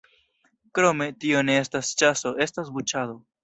Krome, tio ne estas ĉaso: estas buĉado.